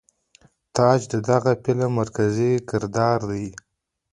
تاج د دغه فلم مرکزي کردار دے.